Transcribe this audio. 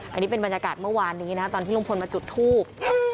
อันนี้เป็นบรรยากาศเมื่อวานนี้นะตอนที่ลุงพลมาจุดทูบ